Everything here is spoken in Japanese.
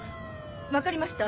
分かりました